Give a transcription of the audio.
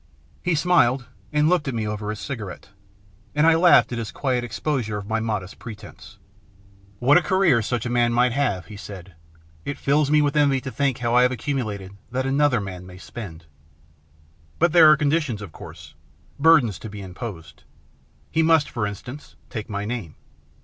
He smiled, and looked at me over his cigarette, and I laughed at his quiet exposure of my modest pretence. " What a career such a man might have !" he said. " It fills me with envy to think how I have accumulated that another man may spend " But there are conditions, of course, burdens to be imposed. He must, for instance, take my name.